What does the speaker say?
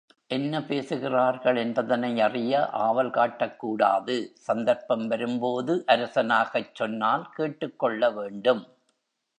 என்ன பேசுகிறார்கள் என்பதனை அறிய ஆவல் காட்டக் கூடாது சந்தர்ப்பம் வரும்போது அரசனாகச் சொன்னால் கேட்டுக் கொள்ள வேண்டும்.